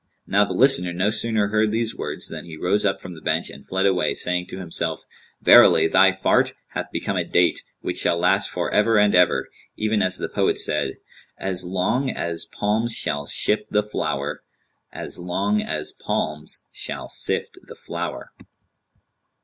Now the listener no sooner heard these words than he rose up from the bench, and fled away saying to himself, "Verily thy fart hath become a date, which shall last for ever and ever; even as the poet said, 'As long as palms shall shift the flower; * As long as palms shall sift the flour.'